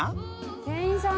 店員さん。